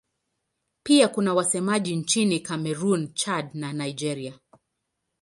Pia kuna wasemaji nchini Kamerun, Chad na Nigeria.